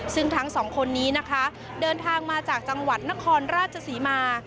ซึ่งทั้งสองคนนี้นะคะเดินทางมาจากจังหวัดนครราชศรีมา